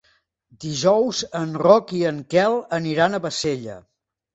Dijous en Roc i en Quel iran a Bassella.